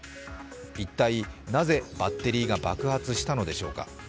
一体、なぜバッテリーが爆発したのでしょうか。